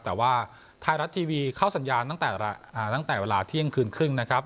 แต่ว่าไทยรัฐทีวีเข้าสัญญาณตั้งแต่เวลาเที่ยงคืนครึ่งนะครับ